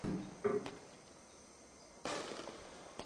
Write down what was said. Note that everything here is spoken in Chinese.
三氟甲烷可用作制冷剂或灭火剂使用。